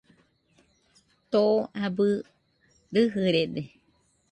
Too abɨ rɨjɨrede